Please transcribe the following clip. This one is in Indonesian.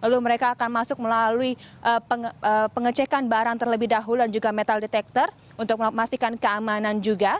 lalu mereka akan masuk melalui pengecekan barang terlebih dahulu dan juga metal detector untuk memastikan keamanan juga